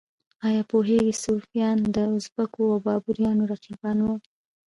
ایا پوهیږئ صفویان د ازبکو او بابریانو رقیبان وو؟